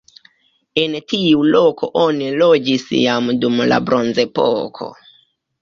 En tiu loko oni loĝis jam dum la bronzepoko.